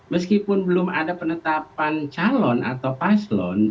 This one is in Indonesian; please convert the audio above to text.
meskipun belum ada penetapan calon atau paslon